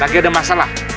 lagi ada masalah